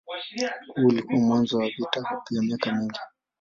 Huu ulikuwa mwanzo wa vita vya miaka mingi.